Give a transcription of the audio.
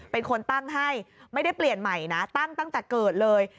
เป็นคนตั้งให้ไม่ได้เปลี่ยนใหม่นะตั้งแต่เกิดเลย